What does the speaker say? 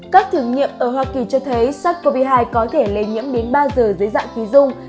các thử nghiệm ở hoa kỳ cho thấy sars cov hai có thể lây nhiễm đến ba giờ dưới dạng khí dung